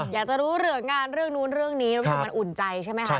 อยากจะรู้เหลืองานเรื่องนู้นเรื่องนี้รู้สึกมันอุ่นใจใช่ไหมคะ